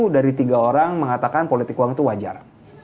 sepuluh dari tiga orang mengatakan politik uang itu wajar